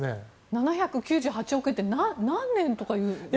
７９８億円って何年とかいう。